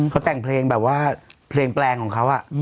เขาแต่งเพลงแบบว่าเพลงแปลงของเขา